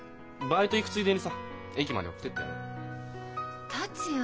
バイト行くついでにさ駅まで送ってってやるよ。